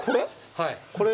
はい。